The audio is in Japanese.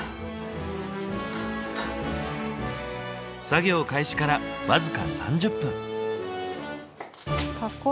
作業開始から僅か３０分。